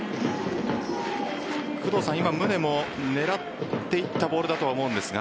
今、宗も狙っていったボールだとは思うんですが。